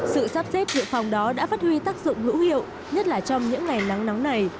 sự sắp xếp dự phòng đó đã phát huy tác dụng hữu hiệu nhất là trong những ngày nắng nóng này